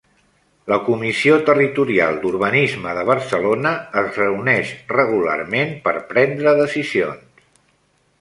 La Comissió Territorial d'Urbanisme de Barcelona es reuneix regularment per prendre decisions.